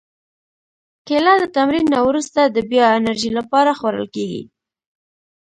کېله د تمرین نه وروسته د بیا انرژي لپاره خوړل کېږي.